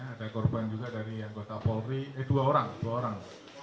ada korban juga dari anggota polri eh dua orang dua orang